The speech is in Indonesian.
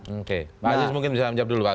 oke pak azis mungkin bisa menjawab dulu